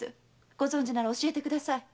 ご存じなら教えてください。